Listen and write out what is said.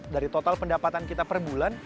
dari total pendapatan kita per bulan